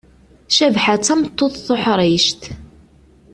Cabḥa d tameṭṭut tuḥrict.